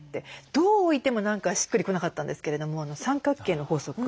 どう置いても何かしっくり来なかったんですけれども三角形の法則ですか。